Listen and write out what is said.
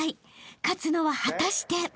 勝つのは果たして］